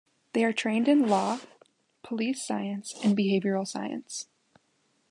They are trained in law, police science, and behavioral science.